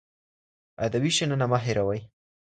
ادبي شننه مه هېروئ.